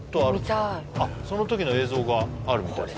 見たいその時の映像があるみたいです